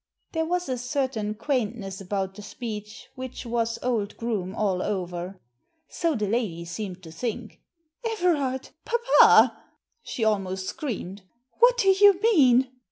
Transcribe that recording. There was a certain quaintness about the speech which was old Groome all over. So the lady seemed to think. " Everard !— Papa !" she almost screamed. " What do you mean?"